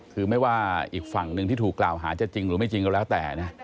คือไม่ว่าอีกฝั่งหนึ่งที่ถูกกล่าวหาจะจริงหรือไม่จริงก็แล้วแต่นะ